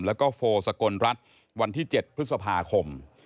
แล้วก็โฟสกลรัฐวันที่๗พฤษภาคม